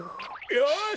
よし！